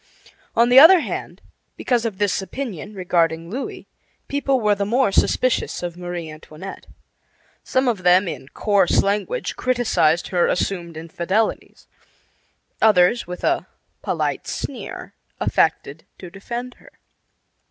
On the other hand, because of this opinion regarding Louis, people were the more suspicious of Marie Antoinette. Some of them, in coarse language, criticized her assumed infidelities; others, with a polite sneer, affected to defend her.